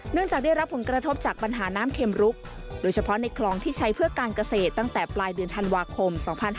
จากได้รับผลกระทบจากปัญหาน้ำเข็มรุกโดยเฉพาะในคลองที่ใช้เพื่อการเกษตรตั้งแต่ปลายเดือนธันวาคม๒๕๕๙